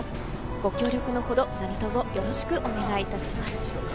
ご協力の程、何卒よろしくお願いいたします。